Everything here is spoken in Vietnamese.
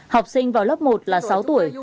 học sinh vào lớp một là sáu tuổi